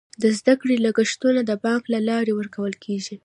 د زده کړې لګښتونه د بانک له لارې ورکول کیږي.